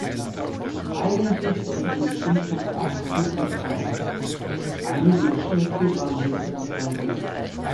Eigentlich sollte die Geschwindigkeit acht Knoten betragen; einige der Schiffe waren jedoch etwas langsamer.